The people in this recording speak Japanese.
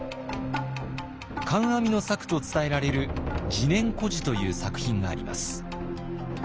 観阿弥の作と伝えられる「自然居士」という作品があります。